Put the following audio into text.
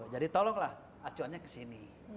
jadi tolonglah acuannya kesini